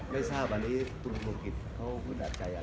ไม่ทราบอันนี้ตุลมงกิจเขาปฏิใจอะไร